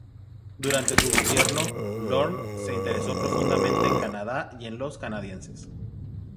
Durante su gobierno, Lorne se interesó profundamente en Canadá y en los canadienses.